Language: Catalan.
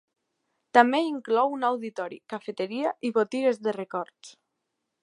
També inclou un auditori, cafeteria i botigues de records.